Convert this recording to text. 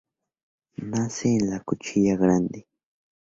Nace en la Cuchilla Grande.